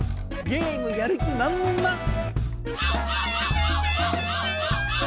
ゲームやる気まんまん！